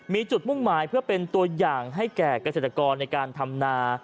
มีจุดมุ่งหมายเพื่อเป็นตัวอย่างให้แก่เกษตรกรในการทำนา